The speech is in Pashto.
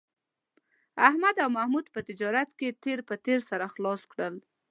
احمد او محمود په تجارت کې تېر په تېر سره خلاص کړل